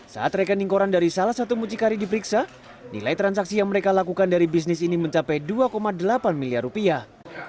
saat rekening koran dari salah satu mucikari diperiksa nilai transaksi yang mereka lakukan dari bisnis ini mencapai dua delapan miliar rupiah